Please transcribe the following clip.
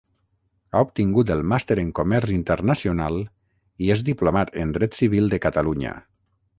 Ha obtingut el màster en Comerç Internacional i és diplomat en dret civil de Catalunya.